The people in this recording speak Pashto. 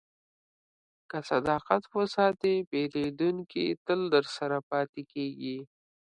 که صداقت وساتې، پیرودونکی تل درسره پاتې کېږي.